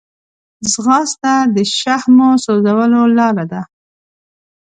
ځغاسته د شحمو سوځولو لاره ده